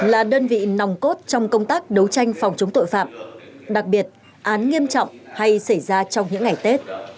là đơn vị nòng cốt trong công tác đấu tranh phòng chống tội phạm đặc biệt án nghiêm trọng hay xảy ra trong những ngày tết